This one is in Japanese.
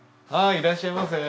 いらっしゃいませ。